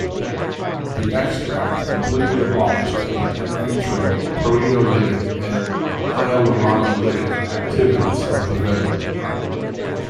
The extract completely abolished the "in vitro" proteolytic and hyaluronolytic activities of the venom.